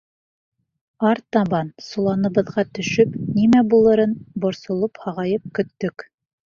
Артабан соланыбыҙға төшөп, нимә булырын борсолоп-һағайып көттөк.